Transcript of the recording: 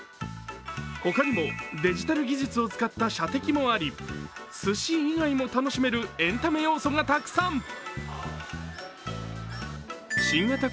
他にも、デジタル技術を使った射的もあり、すし以外も楽しめるエンタメ要素がたくさん。